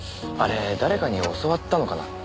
あれ誰かに教わったのかな？